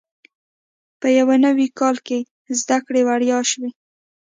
په یو نوي کال کې زده کړې وړیا شوې.